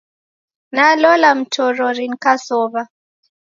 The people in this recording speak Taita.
Nalola mmtorori nikasowa